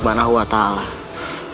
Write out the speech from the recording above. memang umur di tangan allah swt